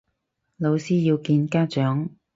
老師要見家長